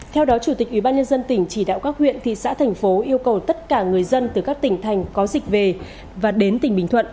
theo đó chủ tịch ủy ban nhân dân tỉnh chỉ đạo các huyện thị xã thành phố yêu cầu tất cả người dân từ các tỉnh thành có dịch về và đến tỉnh bình thuận